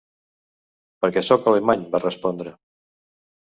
"Perquè soc alemany", va respondre.